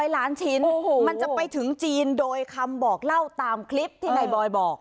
ล้านชิ้นมันจะไปถึงจีนโดยคำบอกเล่าตามคลิปที่นายบอยบอก